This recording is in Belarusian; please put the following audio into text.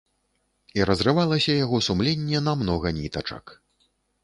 І разрывалася яго сумленне на многа нітачак.